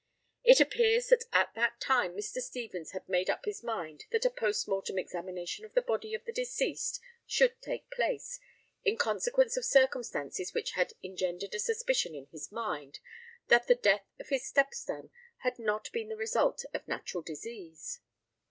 It appears that at that time Mr. Stevens had made up his mind that a post mortem examination of the body of the deceased should take place, in consequence of circumstances which had engendered a suspicion in his mind that the death of his step son had not been the result of natural disease.